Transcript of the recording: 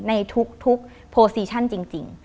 ในทุกโปรซีชั่นจริง